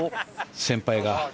先輩が。